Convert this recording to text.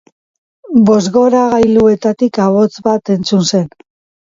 Bozgorailuetatik ahots bat entzun zen.